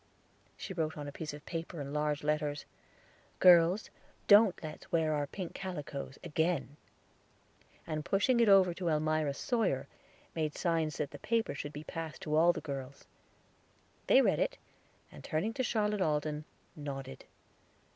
She wrote on a piece of paper, in large letters "Girls, don't let's wear our pink calicoes again," and pushing it over to Elmira Sawyer, made signs that the paper should be passed to all the girls. They read it, and turning to Charlotte Alden nodded.